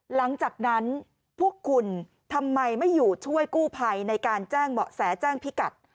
หลังจากนั้นพวกคุณทำไมไม่อยู่ช่วยกู้ภัยในการแจ้งเบาะแสแจ้งพิกัด